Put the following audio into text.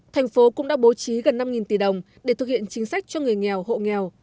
thành phố cũng đã bố trí gần năm tỷ đồng để thực hiện chính sách cho người nghèo hộ nghèo